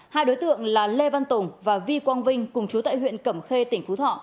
hai đối tượng là lê văn tùng và vi quang vinh cùng chú tại huyện cẩm khê tỉnh phú thọ